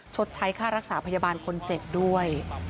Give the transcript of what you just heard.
ชดใช้ค่ารักษาพยาบาลคนเจ็บด้วย